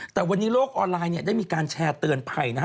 แต่วันนี้โลกออนไลน์เนี่ยได้มีการแชร์เตือนภัยนะฮะ